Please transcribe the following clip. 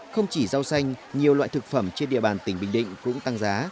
không chỉ rau xanh nhiều loại thực phẩm trên địa bàn tỉnh bình định cũng tăng giá